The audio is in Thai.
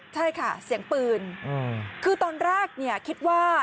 ใช่ค่ะเสียงปืนคือตอนแรกเนี่ยคิดว่า